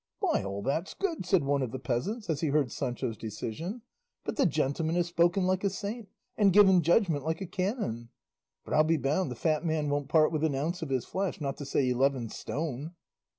"By all that's good," said one of the peasants as he heard Sancho's decision, "but the gentleman has spoken like a saint, and given judgment like a canon! But I'll be bound the fat man won't part with an ounce of his flesh, not to say eleven stone."